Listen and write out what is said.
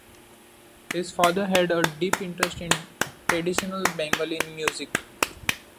His father had a deep interest in traditional Bengali music.